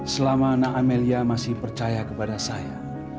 selama nak amelia masih percaya kepada saya